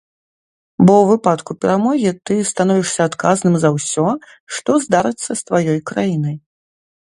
Бо ў выпадку перамогі ты становішся адказным за ўсё, што здарыцца з тваёй краінай.